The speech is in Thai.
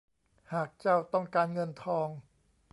หากเจ้าต้องการเงินทอง